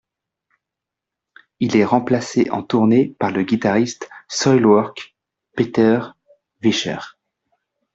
Il est remplacé en tournée par le guitariste Soilwork, Peter Wichers.